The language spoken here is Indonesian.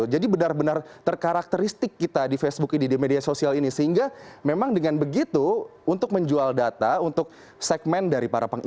jadi benar benar terkarakteristik kita di facebook ini di media sosial ini sehingga memang dengan begitu untuk menjual data untuk segmen dari para pengiklan